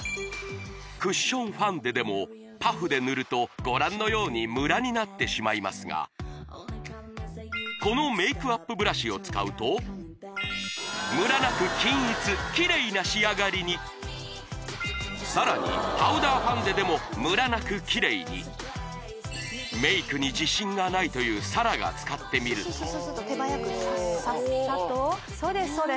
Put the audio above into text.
クッションファンデでもパフで塗るとご覧のようにムラになってしまいますがこのメイクアップブラシを使うとムラなく均一キレイな仕上がりにさらにパウダーファンデでもムラなくキレイにメイクに自信がないという沙羅が使ってみると手早くサッサッサとそうです